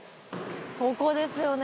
ここですよね。